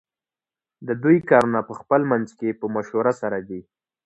ددوی کارونه پخپل منځ کی په مشوره سره دی .